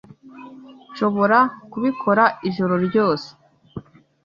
Nshobora kubikora ijoro ryose.